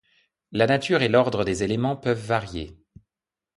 La nature et l’ordre des éléments peuvent varier.